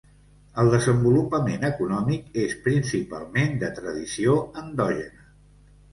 El desenvolupament econòmic és, principalment, de tradició endògena.